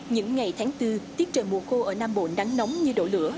những ngày tháng bốn tiết trời mùa khô ở nam bộ nắng nóng như đổ lửa